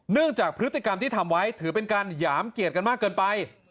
จากพฤติกรรมที่ทำไว้ถือเป็นการหยามเกียรติกันมากเกินไป